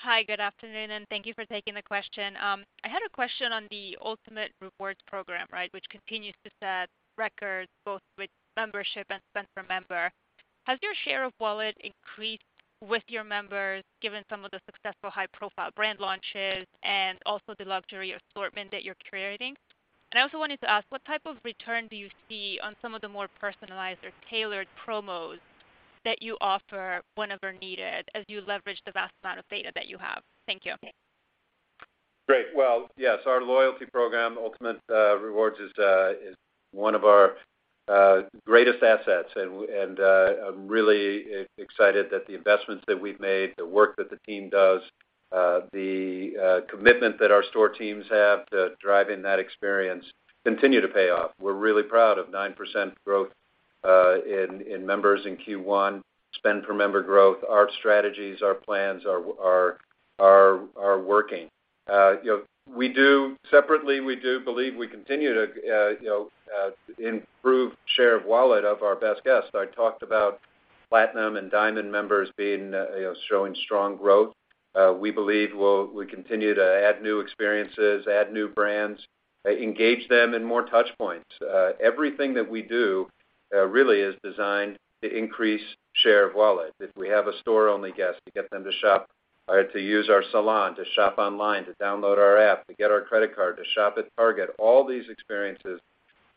Hi, good afternoon, and thank you for taking the question. I had a question on the Ultamate Rewards program, right, which continues to set records both with membership and spend per member. Has your share of wallet increased with your members, given some of the successful high-profile brand launches and also the luxury assortment that you're creating? I also wanted to ask, what type of return do you see on some of the more personalized or tailored promos that you offer whenever needed, as you leverage the vast amount of data that you have? Thank you. Great! Well, yes, our loyalty program, Ultamate Rewards, is one of our greatest assets, and I'm really excited that the investments that we've made, the work that the team does, the commitment that our store teams have to driving that experience continue to pay off. We're really proud of 9% growth in members in Q1, spend per member growth. Our strategies, our plans are working. You know, separately, we do believe we continue to, you know, improve share of wallet of our best guests. I talked about Platinum and Diamond members being, you know, showing strong growth. We believe we continue to add new experiences, add new brands, engage them in more touch points. Everything that we do, really is designed to increase share of wallet. If we have a store-only guest, to get them to shop or to use our salon, to shop online, to download our app, to get our credit card, to shop at Target, all these experiences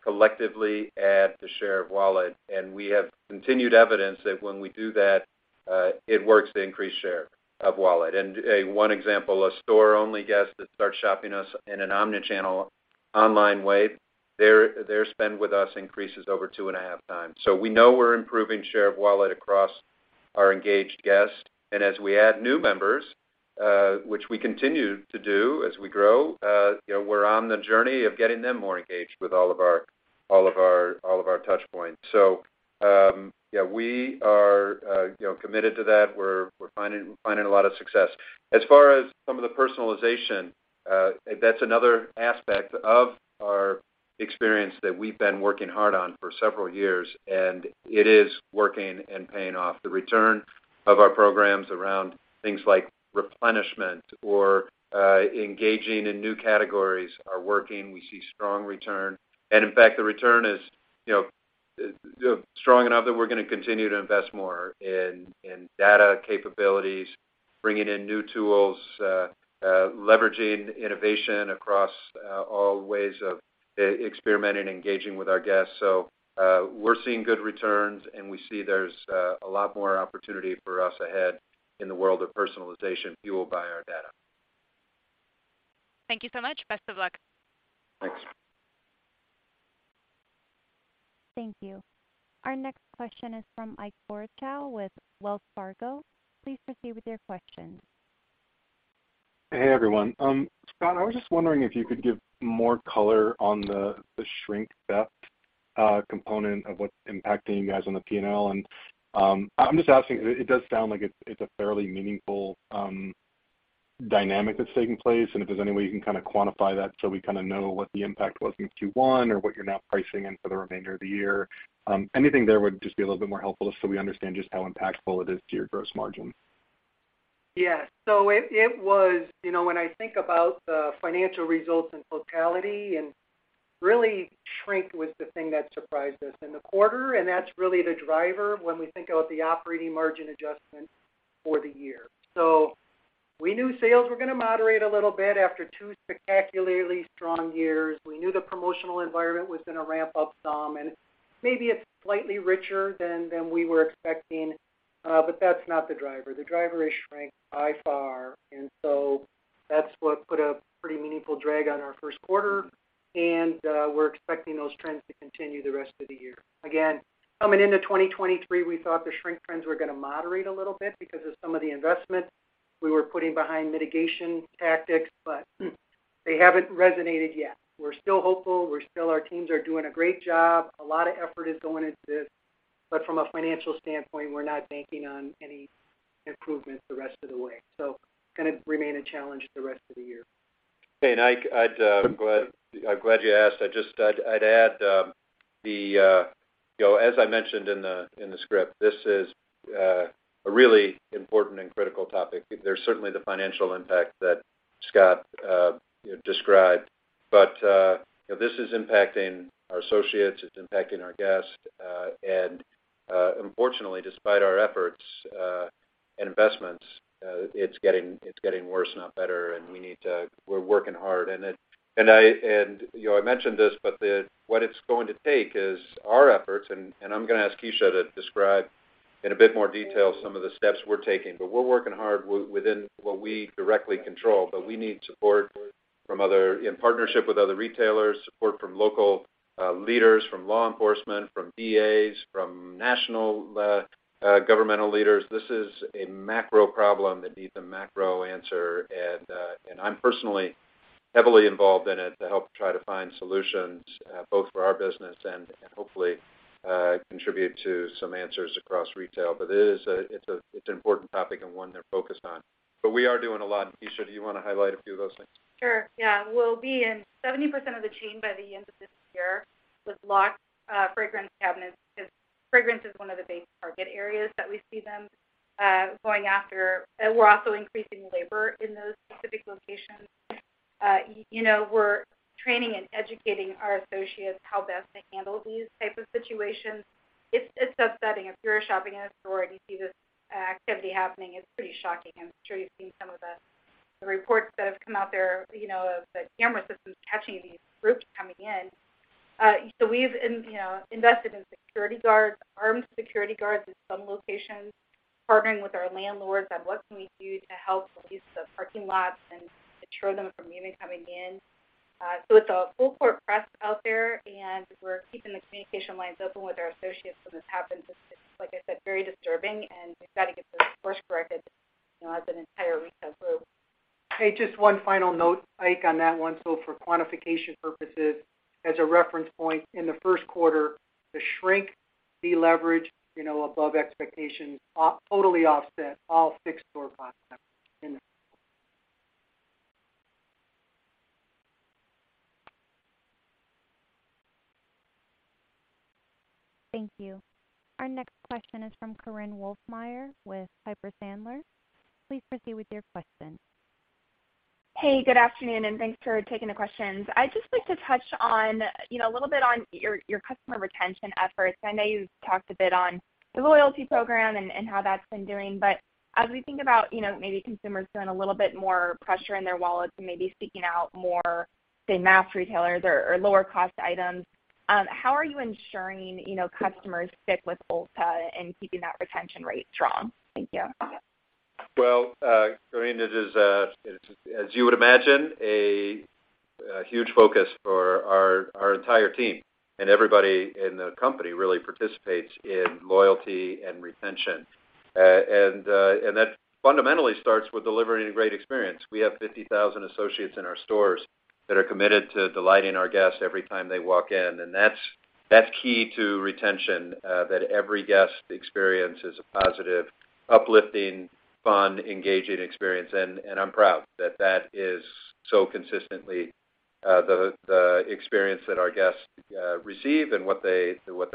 collectively add to share of wallet, and we have continued evidence that when we do that, it works to increase share of wallet. One example, a store-only guest that starts shopping us in an omni-channel online way, their spend with us increases over 2.5x. We know we're improving share of wallet across our engaged guests. As we add new members, which we continue to do as we grow, you know, we're on the journey of getting them more engaged with all of our touch points. Yeah, we are, you know, committed to that. We're finding a lot of success. As far as some of the personalization, that's another aspect of our experience that we've been working hard on for several years, and it is working and paying off. The return of our programs around things like replenishment or, engaging in new categories are working. We see strong return. In fact, the return is, you know, strong enough that we're going to continue to invest more in data capabilities, bringing in new tools, leveraging innovation across, all ways of e-experimenting and engaging with our guests. We're seeing good returns, and we see there's a lot more opportunity for us ahead in the world of personalization fueled by our data. Thank you so much. Best of luck. Thanks. Thank you. Our next question is from Ike Boruchow with Wells Fargo. Please proceed with your question. Hey, everyone. Scott, I was just wondering if you could give more color on the shrink theft component of what's impacting you guys on the P&L. I'm just asking, it does sound like it's a fairly meaningful dynamic that's taking place, and if there's any way you can kind of quantify that so we kind of know what the impact was in Q1 or what you're now pricing in for the remainder of the year. Anything there would just be a little bit more helpful, just so we understand just how impactful it is to your gross margin. Yes. it was You know, when I think about the financial results in totality, really shrink was the thing that surprised us in the quarter, that's really the driver when we think about the operating margin adjustment for the year. We knew sales were going to moderate a little bit after two spectacularly strong years. We knew the promotional environment was going to ramp up some, maybe it's slightly richer than we were expecting, that's not the driver. The driver is shrink by far, that's what put a pretty meaningful drag on our first quarter, we're expecting those trends to continue the rest of the year. Coming into 2023, we thought the shrink trends were going to moderate a little bit because of some of the investment we were putting behind mitigation tactics, they haven't resonated yet. We're still hopeful. Our teams are doing a great job. A lot of effort is going into this. From a financial standpoint, we're not banking on any improvements the rest of the way. Going to remain a challenge the rest of the year. Hey, Ike, I'm glad you asked. I'd add, you know, as I mentioned in the script, this is a really important and critical topic. There's certainly the financial impact that Scott described. You know, this is impacting our associates, it's impacting our guests. Unfortunately, despite our efforts and investments, it's getting worse, not better, and we're working hard. I, you know, I mentioned this, but what it's going to take is our efforts, and I'm going to ask Kecia to describe in a bit more detail some of the steps we're taking. We're working hard within what we directly control, but we need support from in partnership with other retailers, support from local leaders, from law enforcement, from D.A.s, from national governmental leaders. This is a macro problem that needs a macro answer, and I'm personally heavily involved in it to help try to find solutions both for our business and hopefully contribute to some answers across retail. It's a, it's an important topic and one they're focused on. We are doing a lot. Kecia, do you want to highlight a few of those things? Sure. Yeah, we'll be in 70% of the chain by the end of this year with locked fragrance cabinets, because fragrance is one of the big target areas that we see them going after. We're also increasing labor in those specific locations. You know, we're training and educating our associates how best to handle these type of situations. It's upsetting. If you're shopping in a store and you see this activity happening, it's pretty shocking. I'm sure you've seen some of the reports that have come out there, you know, of the camera systems catching these groups coming in. We've, you know, invested in security guards, armed security guards in some locations, partnering with our landlords on what can we do to help police the parking lots and deter them from even coming in. It's a full court press out there, and we're keeping the communication lines open with our associates when this happens. It's like I said, very disturbing, and we've got to get this course corrected, you know, as an entire retail group. Hey, just one final note, Ike, on that one. For quantification purposes, as a reference point, in the first quarter, the shrink deleverage, you know, above expectations, totally offset all fixed store concepts in the . Thank you. Our next question is from Korinne Wolfmeyer with Piper Sandler. Please proceed with your question. Hey, good afternoon, and thanks for taking the questions. I'd just like to touch on, you know, a little bit on your customer retention efforts. I know you've talked a bit on the loyalty program and how that's been doing. As we think about, you know, maybe consumers feeling a little bit more pressure in their wallets and maybe seeking out more, say, mass retailers or lower-cost items, how are you ensuring, you know, customers stick with Ulta and keeping that retention rate strong? Thank you. Well, Korinne, it is, it's, as you would imagine, a huge focus for our entire team, and everybody in the company really participates in loyalty and retention. That fundamentally starts with delivering a great experience. We have 50,000 associates in our stores that are committed to delighting our guests every time they walk in, and that's key to retention, that every guest experience is a positive, uplifting, fun, engaging experience. I'm proud that that is so consistently the experience that our guests receive and what they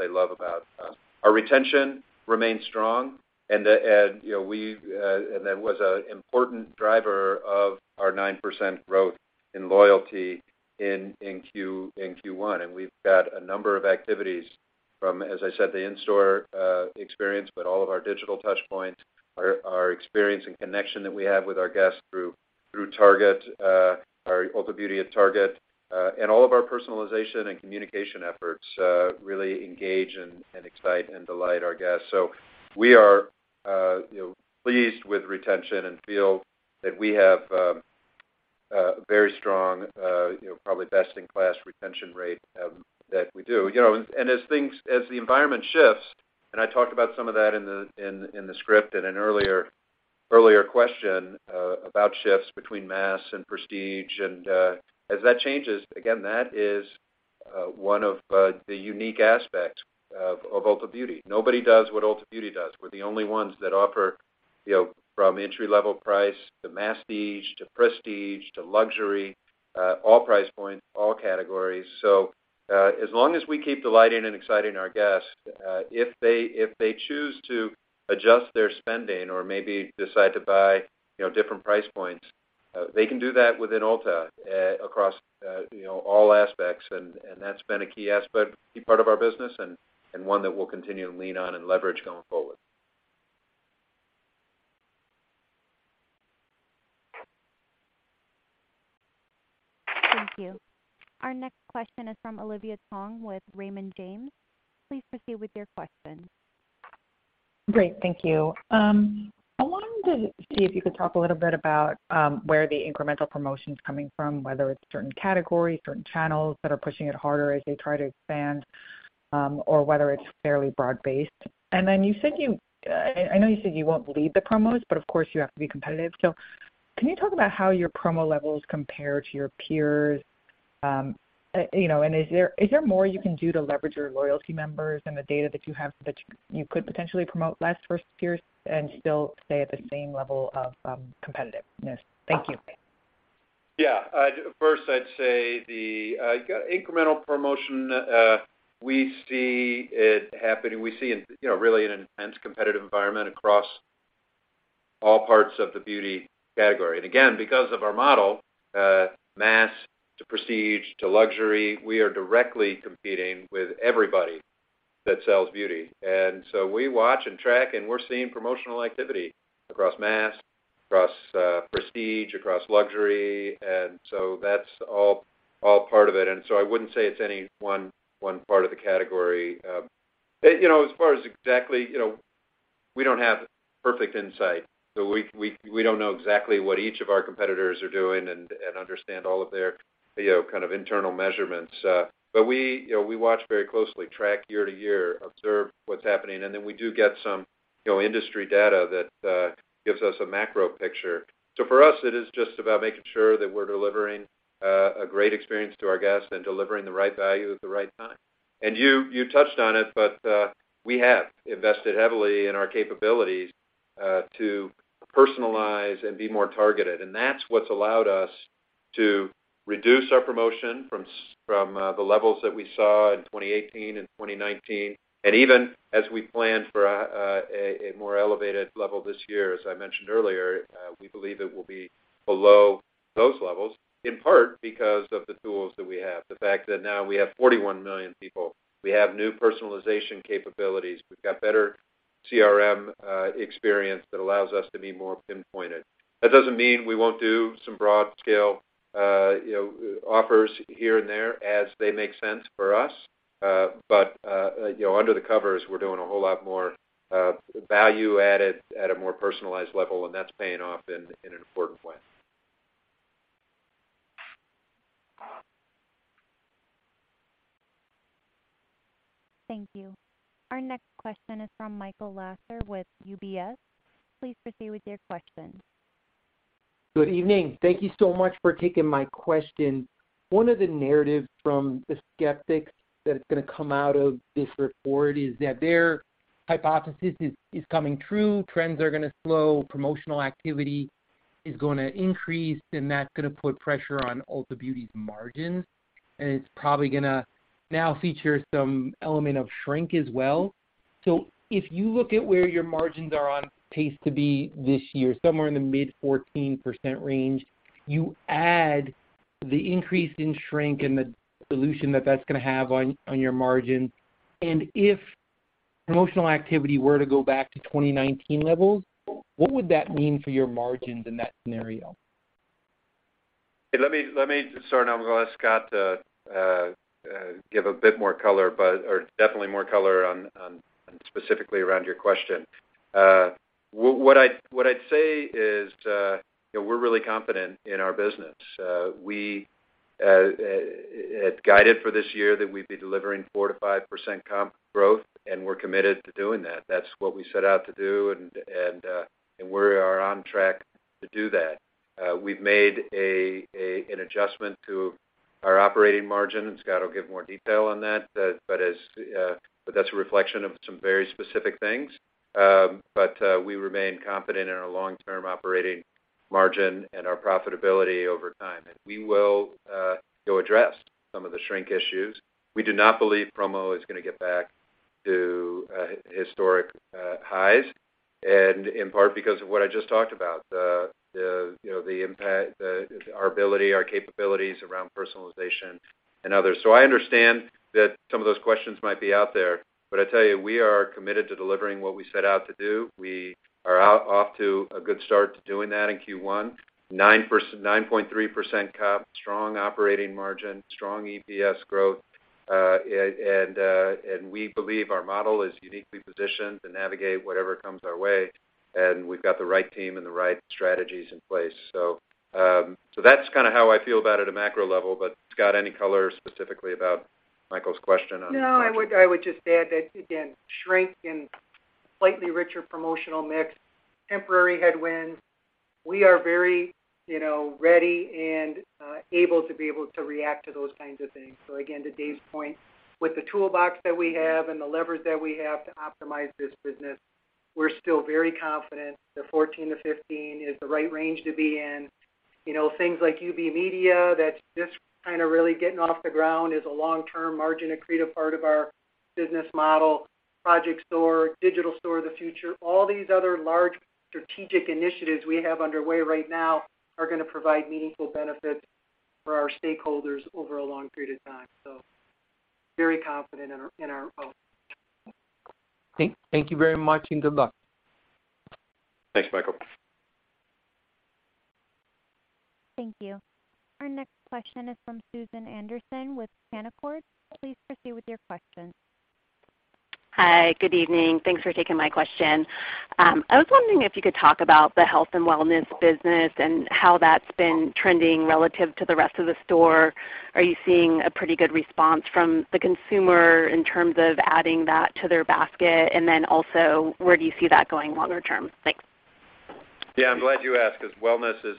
love about us. Our retention remains strong, you know, we, and that was an important driver of our 9% growth in loyalty in Q1. We've got a number of activities from, as I said, the in-store experience, but all of our digital touch points, our experience and connection that we have with our guests through Target, our Ulta Beauty at Target, and all of our personalization and communication efforts, really engage and excite and delight our guests. We are, you know, pleased with retention and feel that we have a very strong, you know, probably best-in-class retention rate that we do. You know, as the environment shifts, and I talked about some of that in the script in an earlier question, about shifts between mass and prestige, as that changes, again, that is one of the unique aspects of Ulta Beauty. Nobody does what Ulta Beauty does. We're the only ones that offer, you know, from entry-level price, to mass-tige, to prestige, to luxury, all price points, all categories. As long as we keep delighting and exciting our guests, if they choose to adjust their spending or maybe decide to buy, you know, different price points, they can do that within Ulta, across, you know, all aspects. That's been a key aspect, key part of our business and one that we'll continue to lean on and leverage going forward. Thank you. Our next question is from Olivia Tong with Raymond James. Please proceed with your question. Great. Thank you. I wanted to see if you could talk a little bit about where the incremental promotion is coming from, whether it's certain categories, certain channels that are pushing it harder as they try to expand, or whether it's fairly broad-based. You said you, I know you said you won't lead the promos, but of course, you have to be competitive. Can you talk about how your promo levels compare to your peers? ... You know, is there, is there more you can do to leverage your loyalty members and the data that you have, that you could potentially promote less versus peers and still stay at the same level of, competitive? Yes. Thank you. Yeah. First, I'd say the incremental promotion, we see it happening. We see, you know, really an intense competitive environment across all parts of the beauty category. Again, because of our model, mass to prestige to luxury, we are directly competing with everybody that sells beauty. We watch and track, and we're seeing promotional activity across mass, across prestige, across luxury, so that's all part of it. I wouldn't say it's any one part of the category. You know, as far as exactly, you know, we don't have perfect insight, so we don't know exactly what each of our competitors are doing and understand all of their, you know, kind of internal measurements. We, you know, we watch very closely, track year to year, observe what's happening, and then we do get some, you know, industry data that gives us a macro picture. For us, it is just about making sure that we're delivering a great experience to our guests and delivering the right value at the right time. You, you touched on it, but we have invested heavily in our capabilities to personalize and be more targeted, and that's what's allowed us to reduce our promotion from the levels that we saw in 2018 and 2019. Even as we plan for a more elevated level this year, as I mentioned earlier, we believe it will be below those levels, in part, because of the tools that we have. The fact that now we have 41 million people, we have new personalization capabilities, we've got better CRM experience that allows us to be more pinpointed. That doesn't mean we won't do some broad scale, you know, offers here and there as they make sense for us. You know, under the covers, we're doing a whole lot more value added at a more personalized level, and that's paying off in an important way. Thank you. Our next question is from Michael Lasser with UBS. Please proceed with your question. Good evening. Thank you so much for taking my question. One of the narratives from the skeptics that's gonna come out of this report is that their hypothesis is coming true. Trends are gonna slow, promotional activity is gonna increase, and that's gonna put pressure on Ulta Beauty's margins, and it's probably gonna now feature some element of shrink as well. If you look at where your margins are on pace to be this year, somewhere in the mid-14% range, you add the increase in shrink and the dilution that that's gonna have on your margin. If promotional activity were to go back to 2019 levels, what would that mean for your margins in that scenario? Let me start, I'm gonna ask Scott to give a bit more color, or definitely more color on specifically around your question. What I'd say is, you know, we're really confident in our business. We had guided for this year that we'd be delivering 4%-5% comp growth, and we're committed to doing that. That's what we set out to do, and we are on track to do that. We've made an adjustment to our operating margin, and Scott will give more detail on that, but that's a reflection of some very specific things. But we remain confident in our long-term operating margin and our profitability over time. We will go address some of the shrink issues. We do not believe promo is gonna get back to historic highs, and in part because of what I just talked about, the, you know, the impact, our ability, our capabilities around personalization and others. I understand that some of those questions might be out there, but I tell you, we are committed to delivering what we set out to do. We are off to a good start to doing that in Q1. 9.3% comp, strong operating margin, strong EPS growth, and we believe our model is uniquely positioned to navigate whatever comes our way, and we've got the right team and the right strategies in place. That's kind of how I feel about it at a macro level, Scott, any color specifically about Michael's question on- I would just add that, again, shrink and slightly richer promotional mix, temporary headwinds. We are very, you know, ready and able to be able to react to those kinds of things. Again, to Dave's point, with the toolbox that we have and the levers that we have to optimize this business, we're still very confident that 14%-15% is the right range to be in. You know, things like UB Media, that's just kind of really getting off the ground, is a long-term margin accretive part of our business model, Project SOAR, digital store of the future. All these other large strategic initiatives we have underway right now are gonna provide meaningful benefits for our stakeholders over a long period of time. Very confident in our. Thank you very much. Good luck. Thanks, Michael. Thank you. Our next question is from Susan Anderson with Canaccord. Please proceed with your question. Hi, good evening. Thanks for taking my question. I was wondering if you could talk about the health and wellness business and how that's been trending relative to the rest of the store. Are you seeing a pretty good response from the consumer in terms of adding that to their basket? Then also, where do you see that going longer term? Thanks. Yeah, I'm glad you asked, because wellness is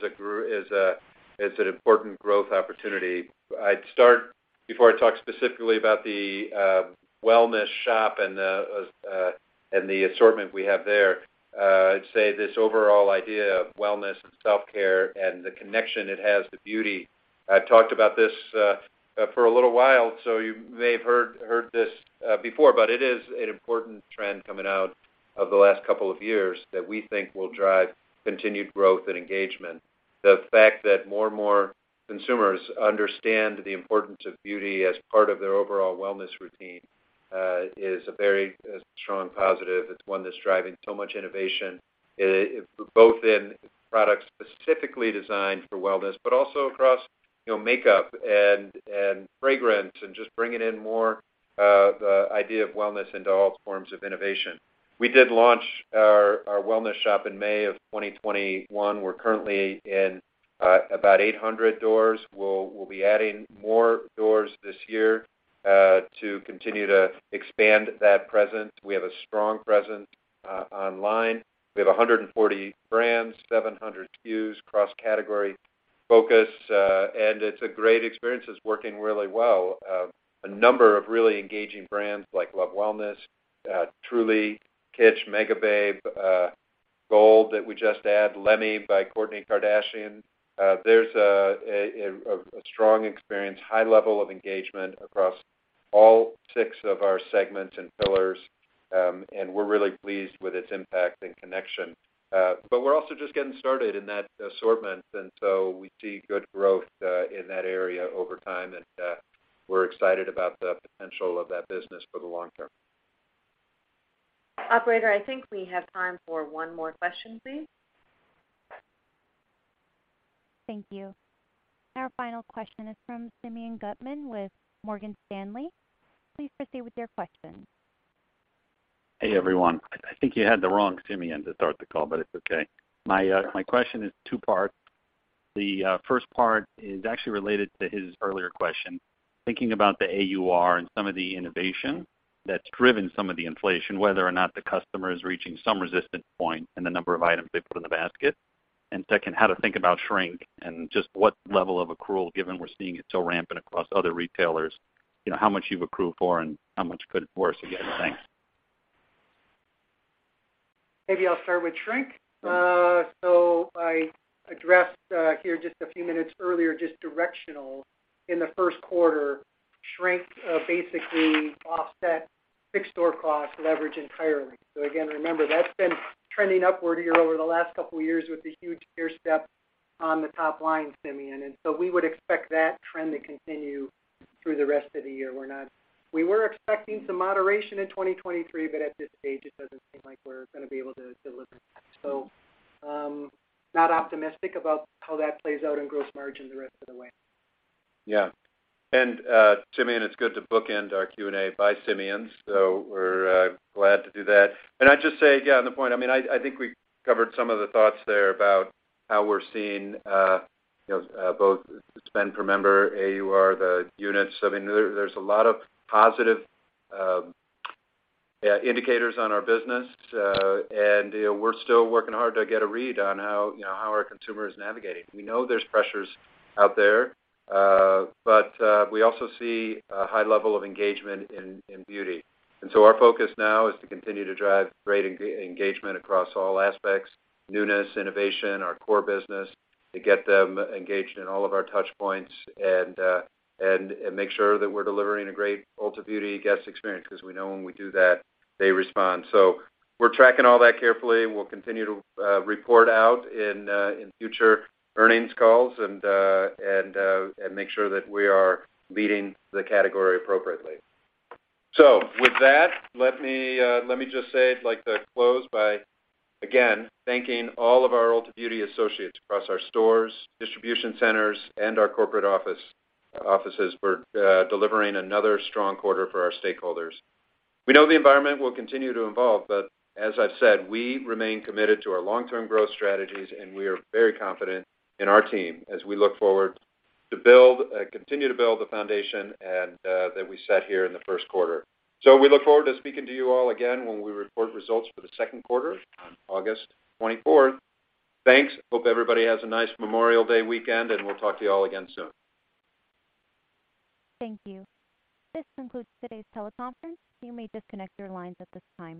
an important growth opportunity. I'd start, before I talk specifically about the wellness shop and the assortment we have there, I'd say this overall idea of wellness and self-care and the connection it has to beauty. I've talked about this for a little while, so you may have heard this before, but it is an important trend coming out of the last couple of years that we think will drive continued growth and engagement. The fact that more and more consumers understand the importance of beauty as part of their overall wellness routine, is a very strong positive. It's one that's driving so much innovation, both in products specifically designed for wellness, but also across, you know, makeup and fragrance, and just bringing in more, the idea of wellness into all forms of innovation. We did launch our wellness shop in May of 2021. We're currently in about 800 doors. We'll be adding more doors this year to continue to expand that presence. We have a strong presence online. We have 140 brands, 700 SKUs, cross-category focus, and it's a great experience. It's working really well. A number of really engaging brands like Love Wellness, Truly, Kitsch, Megababe, GOLDE, that we just added, Lemme by Kourtney Kardashian. There's a strong experience, high level of engagement across all six of our segments and pillars, and we're really pleased with its impact and connection. We're also just getting started in that assortment. We see good growth in that area over time, and we're excited about the potential of that business for the long term. Operator, I think we have time for one more question, please. Thank you. Our final question is from Simeon Gutman with Morgan Stanley. Please proceed with your question. Hey, everyone. I think you had the wrong Simeon to start the call, but it's okay. My question is two parts. The first part is actually related to his earlier question, thinking about the AUR and some of the innovation that's driven some of the inflation, whether or not the customer is reaching some resistance point in the number of items they put in the basket. Second, how to think about shrink and just what level of accrual, given we're seeing it so rampant across other retailers, you know, how much you've accrued for and how much could it worse again? Thanks. Maybe I'll start with shrink. I addressed here just a few minutes earlier, just directional. In the first quarter, shrink basically offset fixed door costs leverage entirely. Again, remember, that's been trending upward year over the last couple years with a huge stair step on the top line, Simeon, we would expect that trend to continue through the rest of the year. We were expecting some moderation in 2023, but at this stage, it doesn't seem like we're gonna be able to deliver. Not optimistic about how that plays out in gross margin the rest of the way. Yeah. Simeon, it's good to bookend our Q&A by Simeon, so we're glad to do that. I'd just say, yeah, on the point, I mean, I think we covered some of the thoughts there about how we're seeing, you know, both the spend per member, AUR, the units. I mean, there's a lot of positive indicators on our business, and, you know, we're still working hard to get a read on how, you know, how our consumer is navigating. We know there's pressures out there, but we also see a high level of engagement in beauty. Our focus now is to continue to drive great engagement across all aspects, newness, innovation, our core business, to get them engaged in all of our touch points and make sure that we're delivering a great Ulta Beauty guest experience, because we know when we do that, they respond. We're tracking all that carefully, and we'll continue to report out in future earnings calls and make sure that we are leading the category appropriately. With that, let me just say, I'd like to close by again, thanking all of our Ulta Beauty associates across our stores, distribution centers, and our corporate offices for delivering another strong quarter for our stakeholders. We know the environment will continue to evolve. As I've said, we remain committed to our long-term growth strategies, and we are very confident in our team as we look forward to continue to build the foundation and that we set here in the first quarter. We look forward to speaking to you all again when we report results for the second quarter on August 24th. Thanks. Hope everybody has a nice Memorial Day weekend, and we'll talk to you all again soon. Thank you. This concludes today's teleconference. You may disconnect your lines at this time.